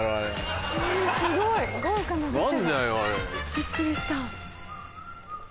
びっくりした。